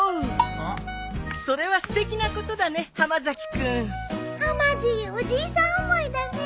それはすてきなことだね浜崎君。はまじおじいさん思いだね。